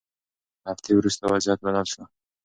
هفتې وروسته وضعیت بدل شو.